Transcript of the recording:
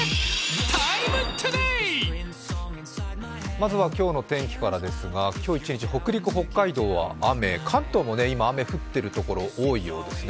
まずは今日の天気からですが今日１日、北陸・北海道は雨、関東も今、雨降っているところ多いようですね。